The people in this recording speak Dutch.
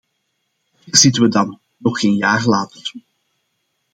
Hier zitten we dan, nog geen jaar later.